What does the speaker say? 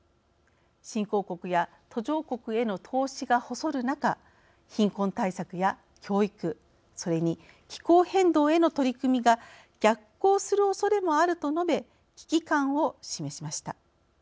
新興国や途上国への投資が細る中貧困対策や教育それに気候変動への取り組みが逆行するおそれもある」と述べ、危機感を示しました。